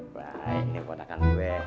baik nepotakan gue